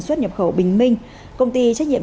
xuất nhập khẩu bình minh công ty trách nhiệm